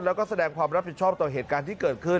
แล้วก็แสดงความรับผิดชอบต่อเหตุการณ์ที่เกิดขึ้น